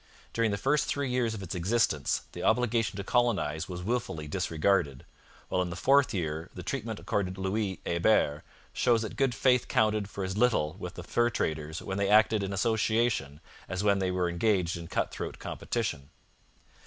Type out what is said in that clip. During the first three years of its existence the obligation to colonize was wilfully disregarded, while in the fourth year the treatment accorded Louis Hebert shows that good faith counted for as little with the fur traders when they acted in association as when they were engaged in cut throat competition.